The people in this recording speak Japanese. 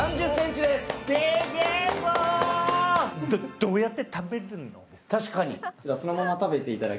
どどうやって食べるんです？